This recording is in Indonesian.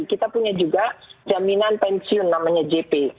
kita punya juga jaminan pensiun namanya jp